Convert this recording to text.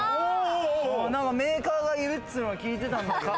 なんかメーカーがいるっつーの聞いてた。